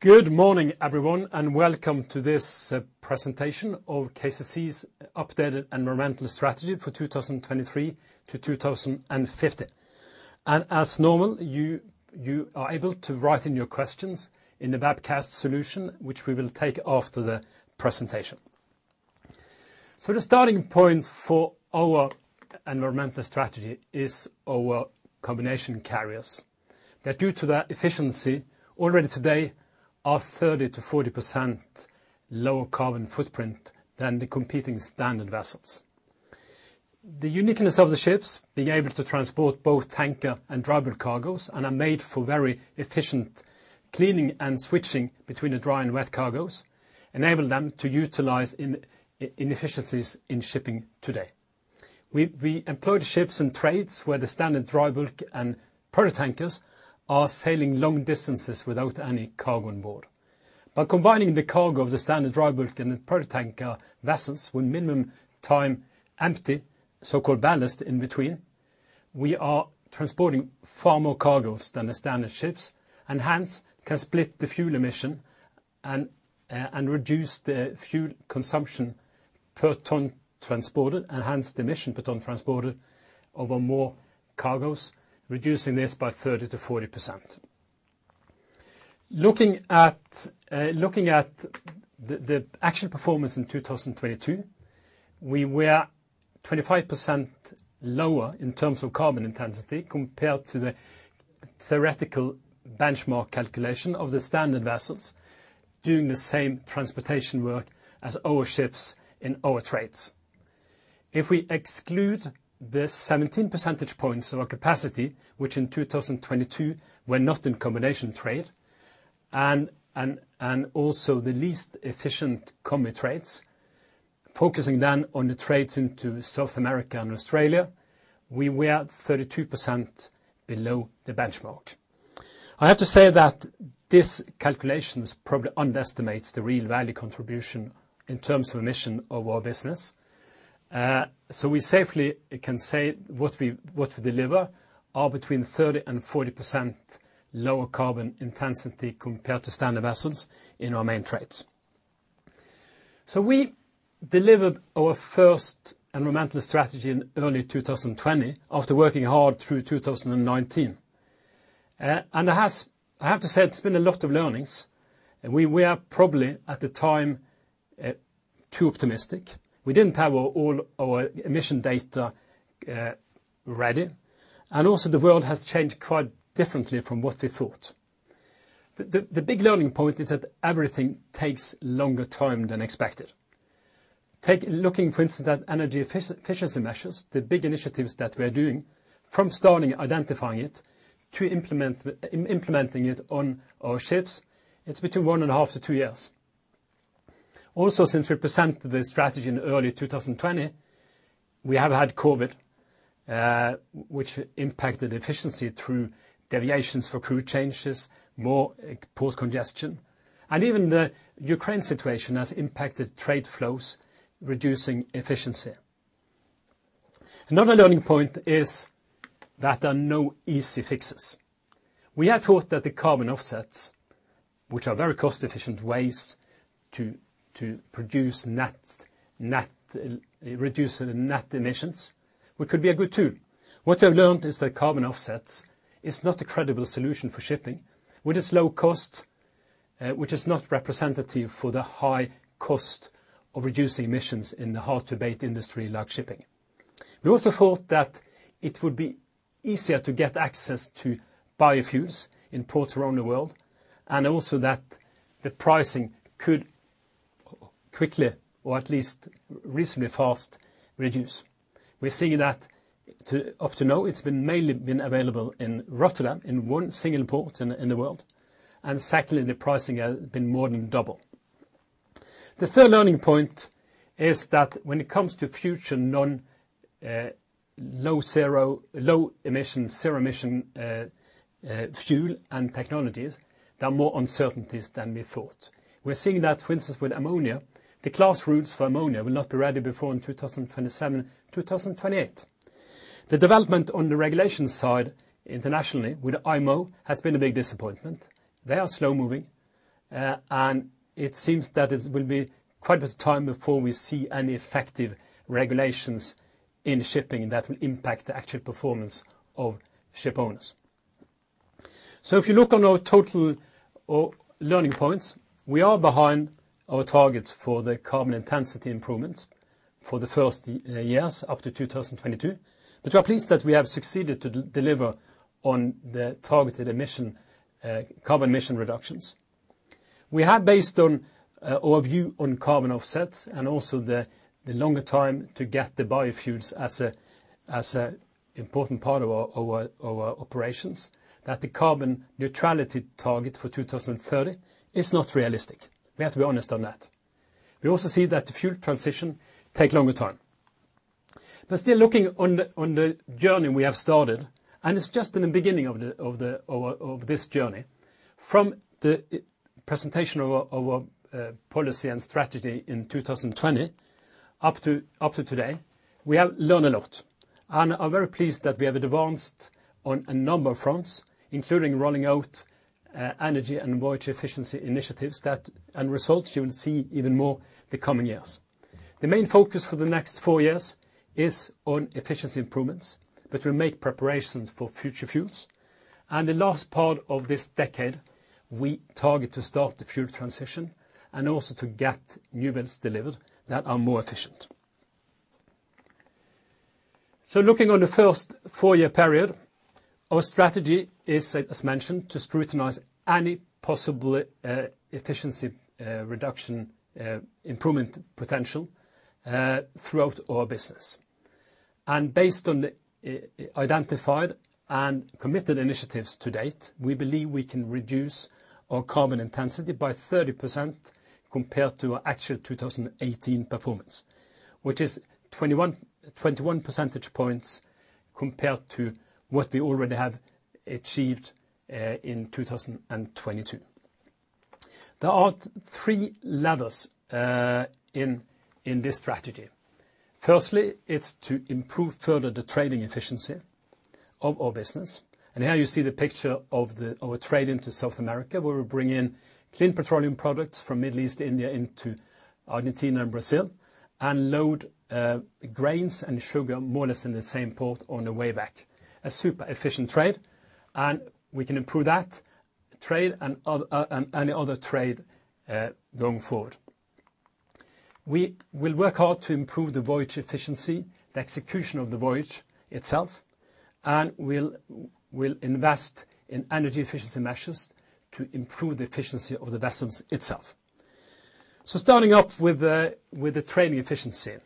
Good morning, everyone, welcome to this presentation of KCC's updated environmental strategy for 2023 to 2050. As normal, you are able to write in your questions in the webcast solution, which we will take after the presentation. The starting point for our environmental strategy is our combination carriers, that due to their efficiency, already today are 30%-40% lower carbon footprint than the competing standard vessels. The uniqueness of the ships, being able to transport both tanker and dry bulk cargos and are made for very efficient cleaning and switching between the dry and wet cargos, enable them to utilize inefficiencies in shipping today. We employ the ships in trades where the standard dry bulk and product tankers are sailing long distances without any cargo on board. By combining the cargo of the standard dry bulk and the product tanker vessels with minimum time empty, so-called ballast in between, we are transporting far more cargos than the standard ships and hence can split the fuel emission and reduce the fuel consumption per ton transported and hence the emission per ton transported over more cargos, reducing this by 30%-40%. Looking at the actual performance in 2022, we were 25% lower in terms of carbon intensity compared to the theoretical benchmark calculation of the standard vessels doing the same transportation work as our ships in our trades. If we exclude the 17 percentage points of our capacity, which in 2022 were not in combination trade, and also the least efficient combi trades, focusing then on the trades into South America and Australia, we were 32% below the benchmark. I have to say that this calculation probably underestimates the real value contribution in terms of emission of our business. We safely can say what we deliver are between 30% and 40% lower carbon intensity compared to standard vessels in our main trades. We delivered our first environmental strategy in early 2020 after working hard through 2019. And I have to say it's been a lot of learnings, and we are probably at the time too optimistic. We didn't have all our emission data ready, and also the world has changed quite differently from what we thought. The big learning point is that everything takes longer time than expected. Take looking, for instance, at energy efficiency measures, the big initiatives that we are doing from starting identifying it to implementing it on our ships, it's between one and a half to two years. Also, since we presented this strategy in early 2020, we have had COVID, which impacted efficiency through deviations for crew changes, more port congestion, and even the Ukraine situation has impacted trade flows, reducing efficiency. Another learning point is that there are no easy fixes. We had thought that the carbon offsets, which are very cost-efficient ways to reduce net emissions, which could be a good tool. What we have learned is that carbon offsets is not a credible solution for shipping. With its low cost, which is not representative for the high cost of reducing emissions in the hard-to-abate industry like shipping. We also thought that it would be easier to get access to biofuels in ports around the world, and also that the pricing could quickly or at least reasonably fast reduce. We're seeing that to up to now, it's been mainly available in Rotterdam, in one single port in the world, and secondly, the pricing has been more than double. The third learning point is that when it comes to future non, low emission, zero emission fuel and technologies, there are more uncertainties than we thought. We are seeing that for instance, with ammonia, the class rules for ammonia will not be ready before in 2027, 2028. The development on the regulation side internationally with IMO has been a big disappointment. They are slow-moving, and it seems that it will be quite a bit of time before we see any effective regulations in shipping that will impact the actual performance of ship owners. If you look on our total learning points, we are behind our targets for the carbon intensity improvements for the first years up to 2022. We are pleased that we have succeeded to de-deliver on the targeted emission carbon emission reductions. We have based on our view on carbon offsets and also the longer time to get the biofuels as a important part of our operations, that the carbon neutrality target for 2030 is not realistic. We have to be honest on that. We also see that the fuel transition take longer time. Still looking on the journey we have started, and it's just in the beginning of this journey, from the presentation of our policy and strategy in 2020. Up to today, we have learned a lot and are very pleased that we have advanced on a number of fronts, including rolling out energy and voyage efficiency initiatives that and results you will see even more the coming years. The main focus for the next four years is on efficiency improvements, which will make preparations for future fuels. The last part of this decade, we target to start the fuel transition and also to get new vessels delivered that are more efficient. Looking on the first four-year period, our strategy is, as mentioned, to scrutinize any possible efficiency reduction improvement potential throughout our business. Based on the identified and committed initiatives to date, we believe we can reduce our carbon intensity by 30% compared to our actual 2018 performance, which is 21 percentage points compared to what we already have achieved in 2022. There are three levers in this strategy. Firstly, it's to improve further the trading efficiency of our business. Here you see the picture of our trade into South America, where we bring in clean petroleum products from Middle East, India into Argentina and Brazil and load grains and sugar more or less in the same port on the way back. A super efficient trade. We can improve that trade and other trade going forward. We will work hard to improve the voyage efficiency, the execution of the voyage itself, and we'll invest in energy efficiency measures to improve the efficiency of the vessels itself. Starting up with the trading efficiency,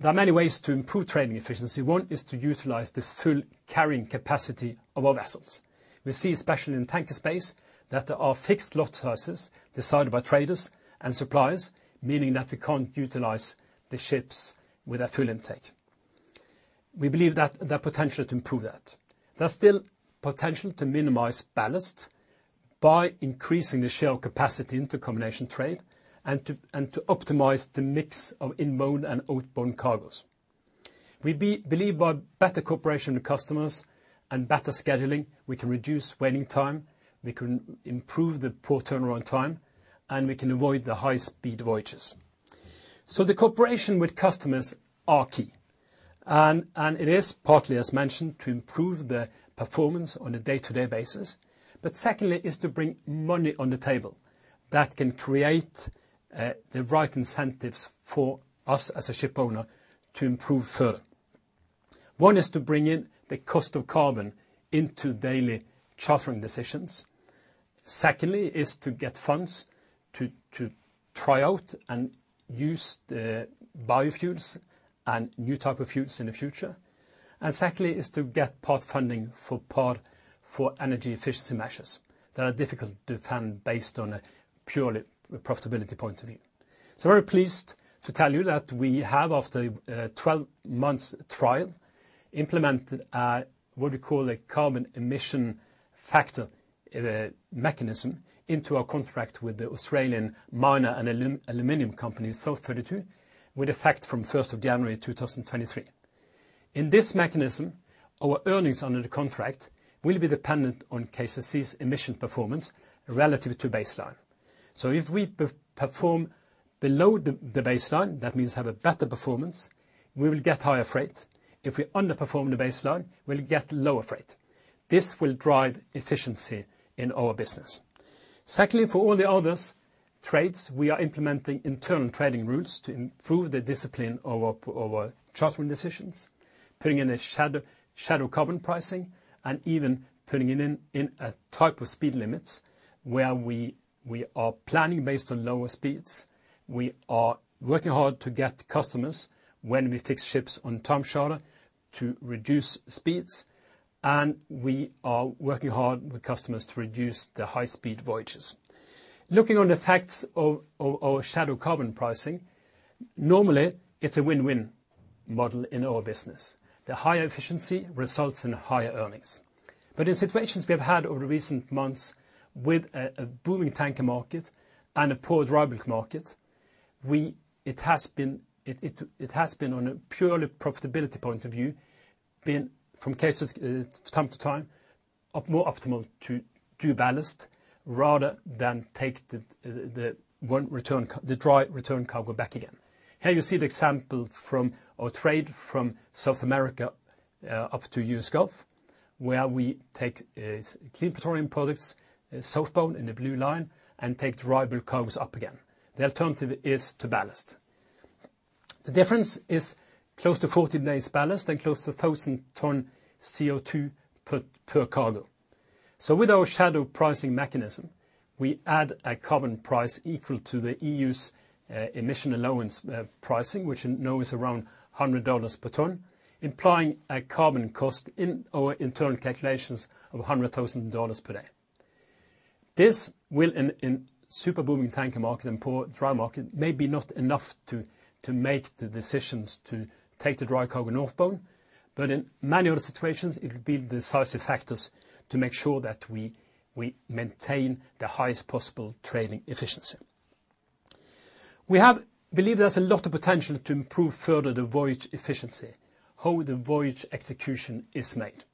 there are many ways to improve trading efficiency. One is to utilize the full carrying capacity of our vessels We see especially in tanker space that there are fixed lot sizes decided by traders and suppliers, meaning that we can't utilize the ships with a full intake. We believe that there are potential to improve that. There's still potential to minimize ballast by increasing the shell capacity into combination trade and to optimize the mix of inbound and outbound cargos. We believe by better cooperation with customers and better scheduling, we can reduce waiting time, we can improve the port turnaround time, and we can avoid the high-speed voyages. The cooperation with customers are key and it is partly, as mentioned, to improve the performance on a day-to-day basis. Secondly is to bring money on the table that can create the right incentives for us as a shipowner to improve further. One is to bring in the cost of carbon into daily chartering decisions. Secondly is to get funds to try out and use the biofuels and new type of fuels in the future. Secondly is to get part funding for energy efficiency measures that are difficult to fund based on a purely profitability point of view. Very pleased to tell you that we have after a 12 months trial, implemented what we call a carbon emission factor mechanism into our contract with the Australian miner and aluminum company South32 with effect from 1st of January 2023. In this mechanism, our earnings under the contract will be dependent on KCC's emission performance relative to baseline. If we perform below the baseline, that means have a better performance, we will get higher freight. If we underperform the baseline, we'll get lower freight. This will drive efficiency in our business. Secondly, for all the other trades, we are implementing internal trading routes to improve the discipline of our chartering decisions, putting in a shadow carbon pricing, and even putting in a type of speed limits where we are planning based on lower speeds. We are working hard to get customers when we fix ships on time charter to reduce speeds, and we are working hard with customers to reduce the high-speed voyages. Looking on the effects of our shadow carbon pricing, normally it's a win-win model in our business. The higher efficiency results in higher earnings. In situations we have had over the recent months with a booming tanker market and a poor dry bulk market, it has been on a purely profitability point of view, been from time to time, more optimal to do ballast rather than take the dry return cargo back again. Here you see the example from our trade from South America up to U.S. Gulf, where we take clean petroleum products southbound in the blue line and take dry bulk cargos up again. The alternative is to ballast. The difference is close to 40 days ballast and close to 1,000 ton CO2 per cargo. With our shadow carbon pricing mechanism, we add a carbon price equal to the EU's emission allowance pricing, which you know is around $100 per ton, implying a carbon cost in our internal calculations of $100,000 per day. This will in super booming tanker market and poor dry market may be not enough to make the decisions to take the dry cargo northbound, but in many other situations, it will be the decisive factors to make sure that we maintain the highest possible trading efficiency. We believe there's a lot of potential to improve further the voyage efficiency, how the voyage execution is made.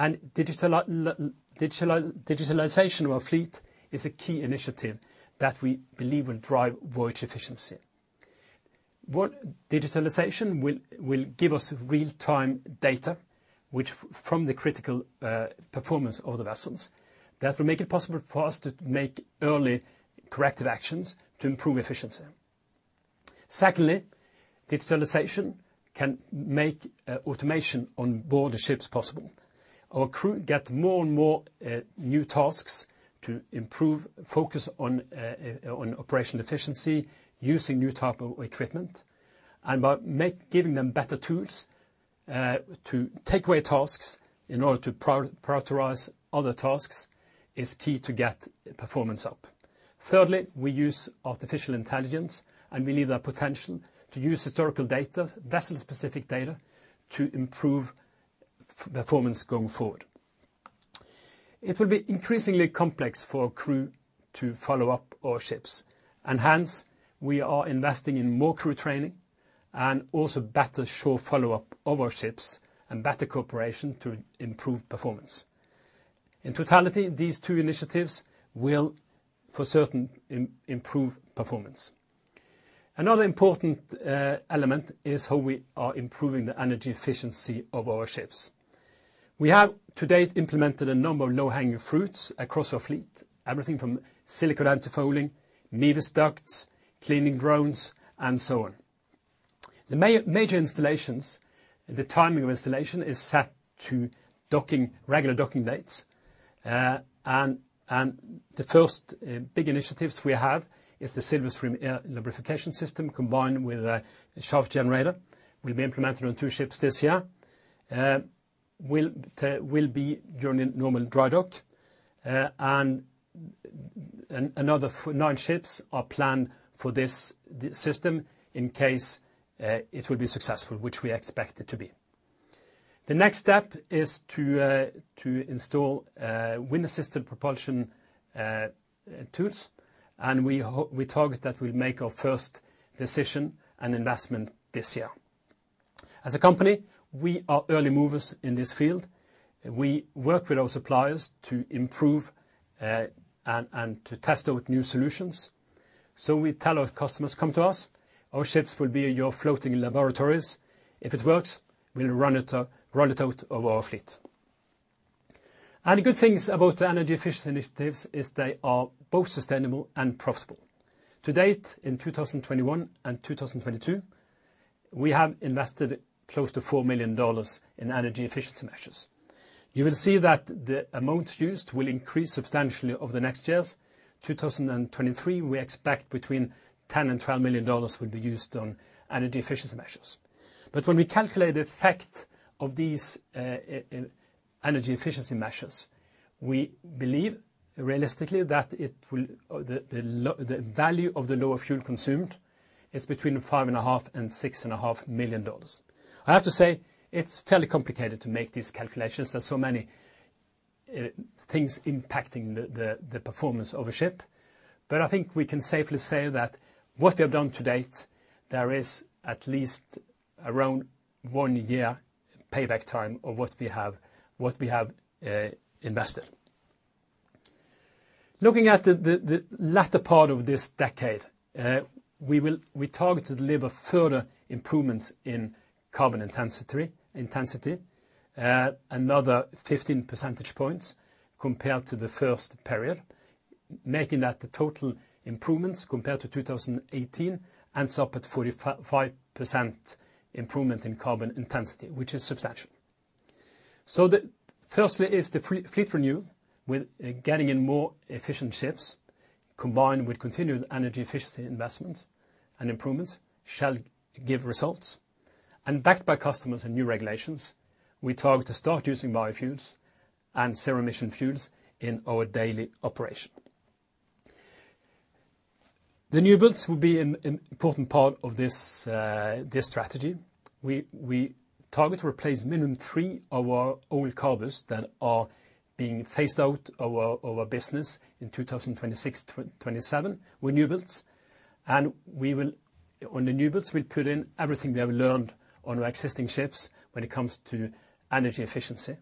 Digitalization of our fleet is a key initiative that we believe will drive voyage efficiency. What digitalization will give us real-time data, which from the critical performance of the vessels. That will make it possible for us to make early corrective actions to improve efficiency. Secondly, digitalization can make automation on board the ships possible. Our crew get more and more new tasks to improve focus on operational efficiency using new type of equipment. By giving them better tools to take away tasks in order to prioritize other tasks is key to get performance up. Thirdly, we use artificial intelligence. We leave the potential to use historical data, vessel-specific data, to improve performance going forward. It will be increasingly complex for our crew to follow up our ships. Hence, we are investing in more crew training and also better shore follow-up of our ships and better cooperation to improve performance. In totality, these two initiatives will for certain improve performance. Another important element is how we are improving the energy efficiency of our ships. We have to date implemented a number of low-hanging fruits across our fleet, everything from silicone antifouling, Mewis Duct, cleaning drones, and so on. The major installations, the timing of installation is set to docking, regular docking dates. The first big initiatives we have is the Silverstream lubrication system combined with a shaft generator will be implemented on two ships this year. will be during normal dry dock. Another nine ships are planned for this system in case it will be successful, which we expect it to be. The next step is to install wind-assisted propulsion tools. We target that we'll make our first decision and investment this year. As a company, we are early movers in this field. We work with our suppliers to improve and to test out new solutions. We tell our customers, "Come to us. Our ships will be your floating laboratories. If it works, we'll run it out of our fleet." Good things about the energy efficiency initiatives is they are both sustainable and profitable. To date, in 2021 and 2022, we have invested close to $4 million in energy efficiency measures. You will see that the amounts used will increase substantially over the next years. 2023, we expect between $10 million and $12 million will be used on energy efficiency measures. When we calculate the effect of these energy efficiency measures, we believe realistically that it will, the value of the lower fuel consumed is between five and a half and six and a half million dollars. I have to say, it's fairly complicated to make these calculations. There's so many things impacting the performance of a ship. I think we can safely say that what we have done to date, there is at least around one year payback time of what we have invested. Looking at the latter part of this decade, we target to deliver further improvements in carbon intensity, another 15 percentage points compared to the first period. Making that the total improvements compared to 2018 ends up at 45% improvement in carbon intensity, which is substantial. The firstly is the fleet renew with getting in more efficient ships, combined with continued energy efficiency investments and improvements shall give results. Backed by customers and new regulations, we target to start using biofuels and zero-emission fuels in our daily operation. The new builds will be an important part of this strategy. We target to replace minimum three of our oil carriers that are being phased out of our business in 2026-2027 with new builds. On the new builds, we put in everything we have learned on our existing ships when it comes to energy efficiency.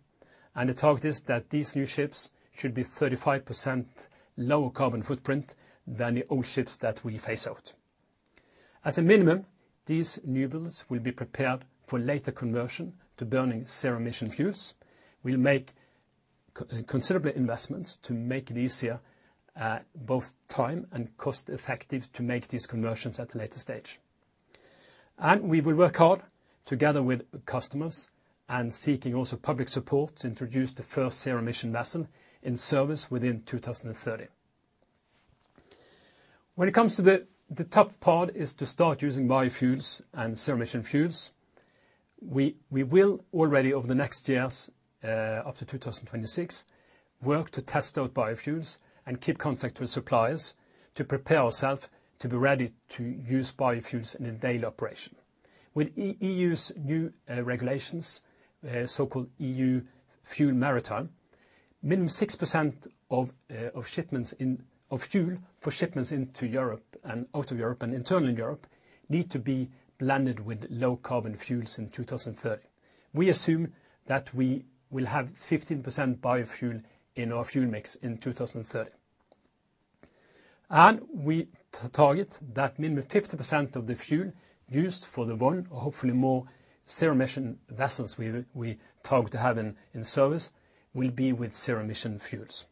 The target is that these new ships should be 35% lower carbon footprint than the old ships that we phase out. As a minimum, these new builds will be prepared for later conversion to burning zero-emission fuels. We'll make considerable investments to make it easier, both time and cost effective to make these conversions at a later stage. We will work hard together with customers and seeking also public support to introduce the first zero-emission vessel in service within 2030. When it comes to the tough part is to start using biofuels and zero-emission fuels. We will already over the next years, up to 2026, work to test out biofuels and keep contact with suppliers to prepare ourself to be ready to use biofuels in a daily operation. With EU's new regulations, so-called FuelEU Maritime 6% of fuel for shipments into Europe and out of Europe and internal Europe need to be blended with low carbon fuels in 2030. We assume that we will have 15% biofuel in our fuel mix in 2030. We target that minimum 50% of the fuel used for the one, or hopefully more, zero-emission vessels we target to have in service will be with zero-emission fuels.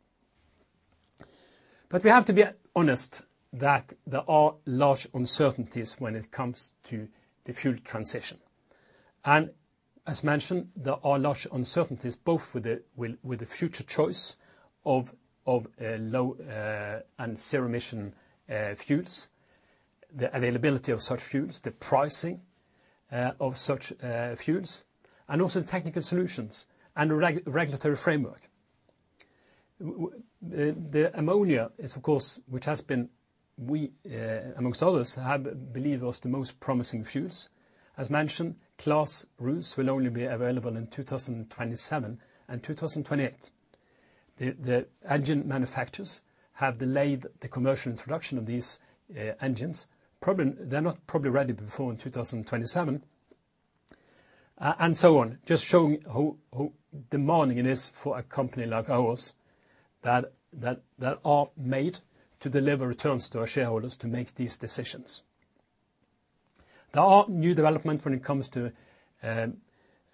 We have to be honest that there are large uncertainties when it comes to the fuel transition. As mentioned, there are large uncertainties both with the future choice of low and zero-emission fuels, the availability of such fuels, the pricing of such fuels, and also technical solutions and regulatory framework. The ammonia is of course, which has been we, amongst others, have believe was the most promising fuels. As mentioned, class rules will only be available in 2027 and 2028. The engine manufacturers have delayed the commercial introduction of these engines. They're not probably ready before in 2027 and so on, just showing how demanding it is for a company like ours that are made to deliver returns to our shareholders to make these decisions. There are new development when it comes to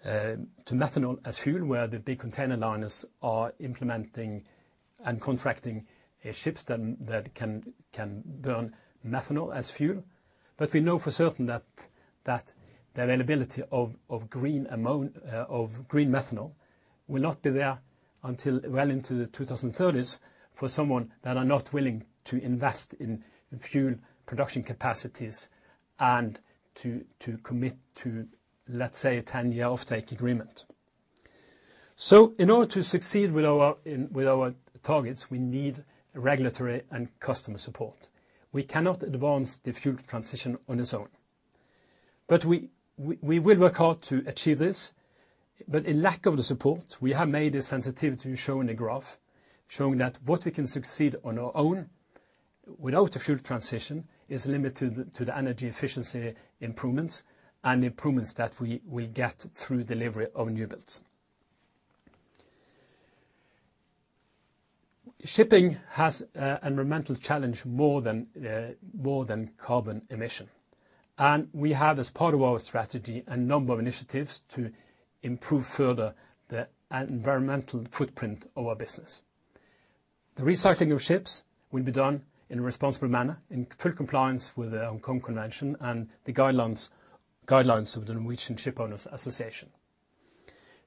methanol as fuel, where the big container liners are implementing and contracting ships that can burn methanol as fuel. We know for certain that the availability of green methanol will not be there until well into the 2030s for someone that are not willing to invest in fuel production capacities and to commit to, let's say, a 10-year offtake agreement. In order to succeed with our targets, we need regulatory and customer support. We cannot advance the fuel transition on its own. We will work hard to achieve this. In lack of the support, we have made a sensitivity shown in the graph, showing that what we can succeed on our own without the fuel transition is limited to the energy efficiency improvements and improvements that we will get through delivery of new builds. Shipping has an environmental challenge more than carbon emission. We have, as part of our strategy, a number of initiatives to improve further the environmental footprint of our business. The recycling of ships will be done in a responsible manner, in full compliance with the Hong Kong Convention and the guidelines of the Norwegian Shipowners' Association.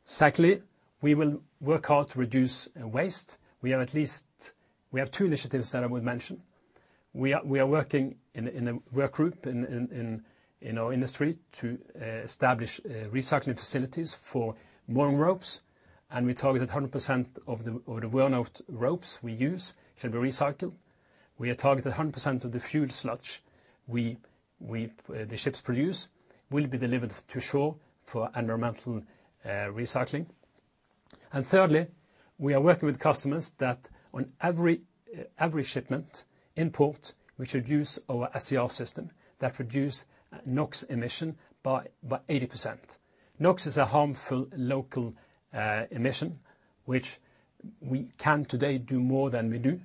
Secondly, we will work hard to reduce waste. We have at least two initiatives that I would mention. We are working in a work group in our industry to establish recycling facilities for worn ropes, and we target 100% of the worn out ropes we use can be recycled. We are targeted 100% of the fuel sludge we the ships produce will be delivered to shore for environmental recycling. Thirdly, we are working with customers that on every shipment in port, we should use our SCR system that reduce NOx emission by 80%. NOx is a harmful local emission, which we can today do more than we do,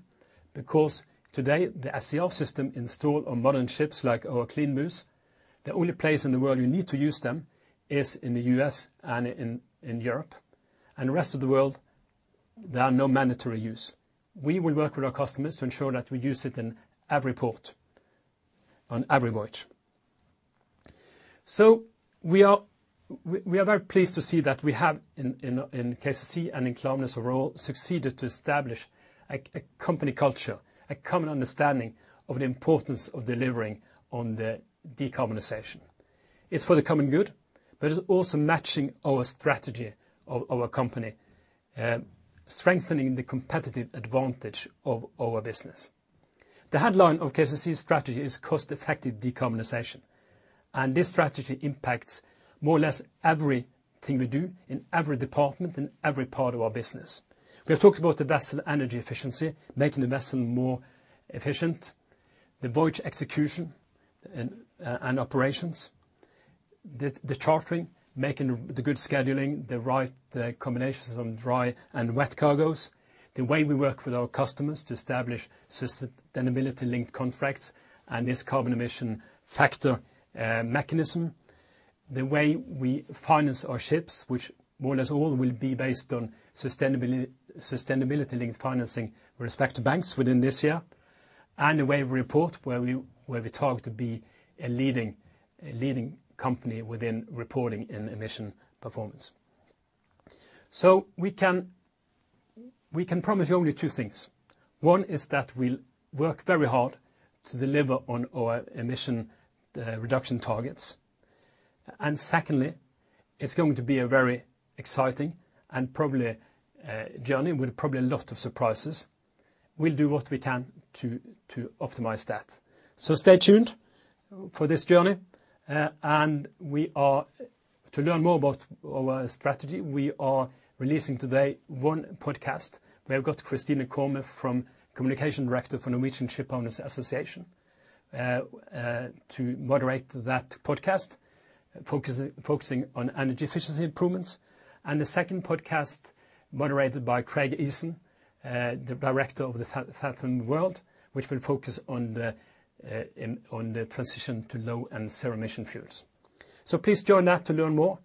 because today the SCR system installed on modern ships like our CLEANBUs, the only place in the world you need to use them is in the U.S. and in Europe, and the rest of the world, there are no mandatory use. We will work with our customers to ensure that we use it in every port on every voyage. We are, we are very pleased to see that we have in KCC and in Klaveness overall succeeded to establish a company culture, a common understanding of the importance of delivering on the decarbonization. It's for the common good, but it's also matching our strategy of our company, strengthening the competitive advantage of our business. The headline of KCC's strategy is cost-effective decarbonization. This strategy impacts more or less everything we do in every department, in every part of our business. We have talked about the vessel energy efficiency, making the vessel more efficient, the voyage execution and operations, the chartering, making the good scheduling, the right combinations from dry and wet cargos, the way we work with our customers to establish sustainability-linked contracts and this carbon emission factor mechanism, the way we finance our ships, which more or less all will be based on sustainability-linked financing with respect to banks within this year, and the way we report where we talk to be a leading company within reporting in emission performance. We can promise you only two things. One is that we work very hard to deliver on our emission reduction targets. Secondly, it's going to be a very exciting and probably journey with probably a lot of surprises. We'll do what we can to optimize that. Stay tuned for this journey. To learn more about our strategy, we are releasing today one podcast. We have got Christine Korme from Director Communication for Norwegian Shipowners' Association to moderate that podcast, focusing on energy efficiency improvements. The second podcast moderated by Craig Eason, the director of Fathom World, which will focus on the transition to low and zero emission fuels. Please join that to learn more.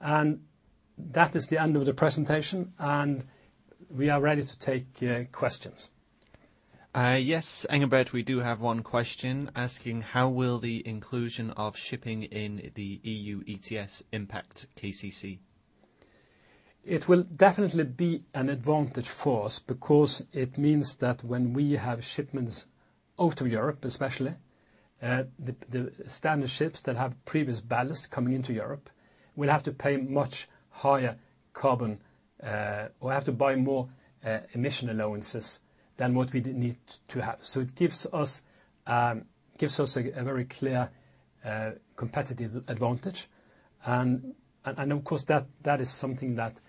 That is the end of the presentation, and we are ready to take questions. Yes, Engebret, we do have one question asking: How will the inclusion of shipping in the EU ETS impact KCC? It will definitely be an advantage for us because it means that when we have shipments out of Europe, especially, the standard ships that have previous ballast coming into Europe will have to pay much higher carbon or have to buy more emission allowances than what we need to have. It gives us a very clear competitive advantage. Of course, that is something that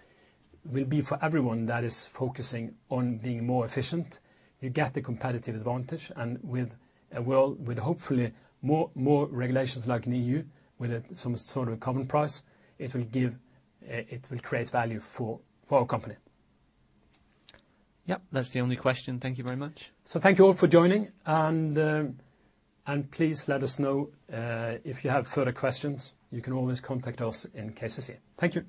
will be for everyone that is focusing on being more efficient. You get the competitive advantage, and with a world with hopefully more regulations like in EU, with some sort of common price, it will give, it will create value for our company. Yep. That's the only question. Thank you very much. Thank you all for joining. Please let us know if you have further questions. You can always contact us in KCC. Thank you.